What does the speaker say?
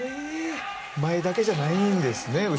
前だけじゃないんですね